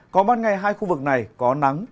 có mắt ngay hai khu vực này có nắng